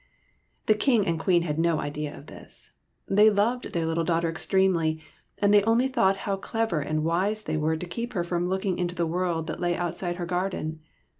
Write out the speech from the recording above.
The King and Queen had no idea of this; they loved their little daughter extremely, and they only thought how clever and how wise they were to keep her from looking into the world that lay outside her garden.